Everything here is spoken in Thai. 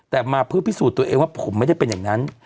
แต่มาเพื่อพิสูจน์ตัวเองว่าผมไม่ได้เป็นอย่างนั้น